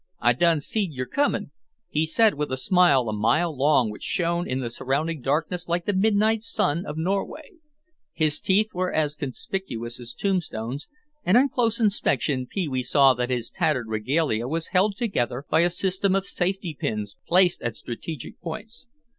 "I done seed yer comin'," he said with a smile a mile long which shone in the surrounding darkness like the midnight sun of Norway. His teeth were as conspicuous as tombstones, and on close inspection Pee wee saw that his tattered regalia was held together by a system of safety pins placed at strategic points.